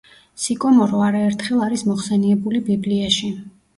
სიკომორო არაერთხელ არის მოხსენიებული ბიბლიაში.